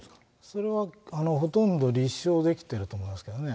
それはほとんど立証できてると思いますけどね。